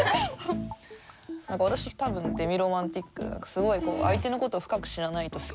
私多分デミロマンティック何かすごい相手のことを深く知らないと好きになれなくて。